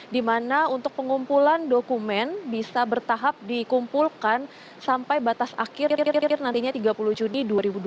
di mana untuk pengumpulan dokumen bisa bertahap dikumpulkan sampai batas akhir nantinya tiga puluh juni dua ribu dua puluh